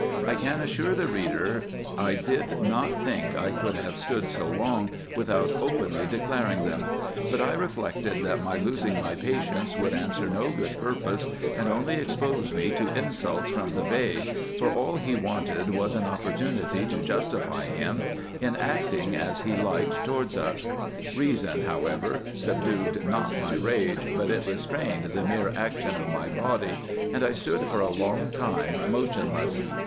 I can assure the reader 1 did not 190 RESEARCHES AND OPERATIONS think I could have stood so long without openly declaring them ; but I reflected, that my losing my patience would answer no good pur pose, and only expose me to insults from the Bey, for all he wanted was an opportunity to justify him in acting as he liked towards us. Reason, however, subdued not my rage, but it restrained the mere action of my body, and I stood for a long time motionless.